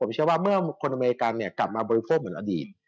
ผมเชื่อว่าเมื่อคนอเมริกันกลับมาบริษฐภพเหมือนอดีต